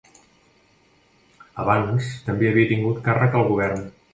Abans també havia tingut càrrec al govern.